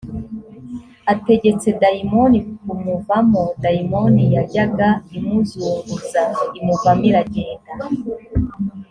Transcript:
ategetse dayimoni kumuvamo dayimoni yajyaga imuzunguza imuvamo iragenda